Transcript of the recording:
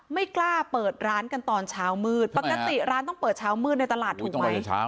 ไม่กล้าเปิดร้านกันตอนเช้ามืดปกติร้านต้องเปิดเช้ามืดในตลาดถูกไหม